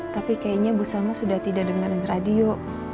tapi kayaknya bu salma sudah tidak dengerin radio